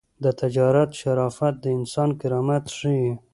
د تجارت شرافت د انسان کرامت ښيي.